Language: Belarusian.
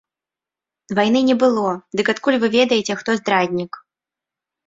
Вайны не было, дык адкуль вы ведаеце, хто здраднік?